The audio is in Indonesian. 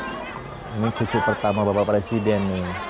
ini cucu pertama bapak presiden